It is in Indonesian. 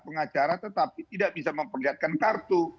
pengacara tetapi tidak bisa memperlihatkan kartu